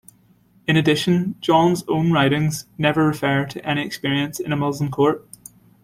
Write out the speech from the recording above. In addition, John's own writings never refer to any experience in a Muslim court.